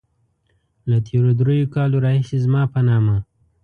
له تېرو دريو کالو راهيسې زما په نامه.